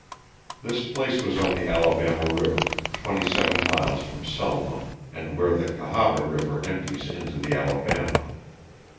This place was on the Alabama river, twenty seven miles from Selma, and where the Cahaba river empties into the Alabama.